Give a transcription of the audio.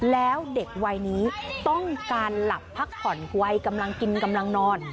แล้วเด็กวัยนี้ต้องการหลับพักผ่อนวัยกำลังกินกำลังนอน